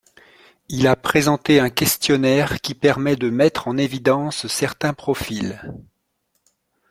Il a présenté un questionnaire qui permet de mettre en évidence certains profils.